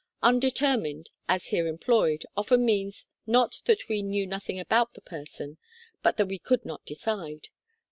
("Undetermined," as here employed, often means not that we knew nothing about the person, but that we could not decide.